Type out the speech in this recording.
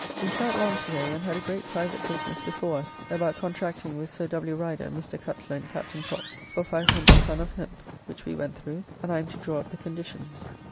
We sat long to day, and had a great private business before us about contracting with Sir W. Rider, Mr. Cutler, and Captain Cocke, for 500 ton of hemp, which we went through, and I am to draw up the conditions.